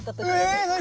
え⁉何？